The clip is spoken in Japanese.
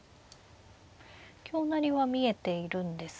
香成りは見えているんですが。